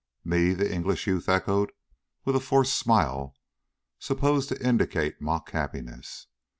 "Me?" the English youth echoed with a forced smile supposed to indicate mock happiness.